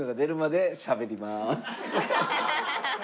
ハハハハ。